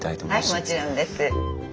はいもちろんです。